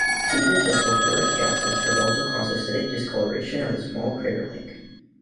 Seepage of sulfurous gases has also caused acidic discolouration of the small crater lake.